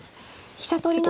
飛車取りなので。